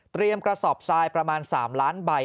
เตรียมกระสอบซายประมาณ๓ล้านใบ